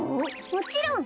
もちろん。